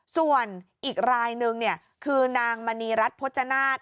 ส่วนอีกรายนึงคือนางมณีรัฐพจนาฏ